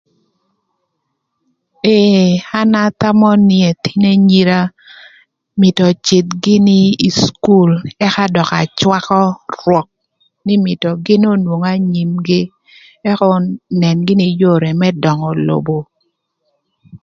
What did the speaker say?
Ee an athamö nï ëthïn enyira mïtö öcïdh gïnï ï cukul ëka dök acwakö rwök nï mïtö gïn onwong anyimgï ëk önën gïnï yore më döngö lobo.